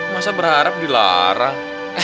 masa berharap dilarang